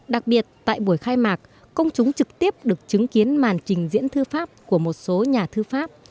đặc biệt tại buổi khai mạc công chúng trực tiếp được chứng kiến màn trình diễn thư pháp của một số nhà thư pháp